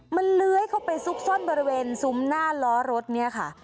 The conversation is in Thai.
มันเลื้อยเข้าไปซุกซ่อนบริเวณซุ้มหน้าล้อรถเนี่ยค่ะ